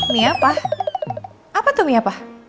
miapa apa tuh miapa